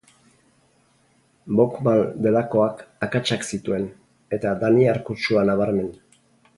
Bokmal delakoak akatsak zituen, eta daniar kutsua nabarmen.